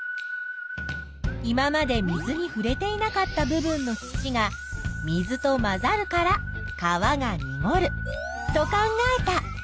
今まで水にふれていなかった部分の土が水と混ざるから川がにごると考えた。